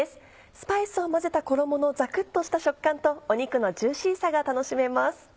スパイスを混ぜた衣のザクっとした食感と肉のジューシーさが楽しめます。